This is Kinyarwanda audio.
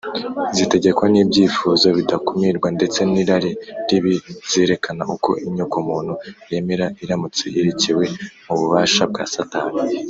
zitegekwa n’ibyifuzo bidakumirwa ndetse n’irari ribi, zerekana uko inyokomuntu yamera iramutse irekewe mu bubasha bwa satani